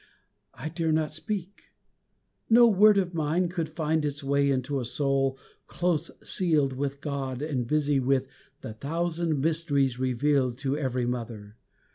I dare not speak. No word of mine could find Its way into a soul close sealed with God And busy with the thousand mysteries Revealed to every mother.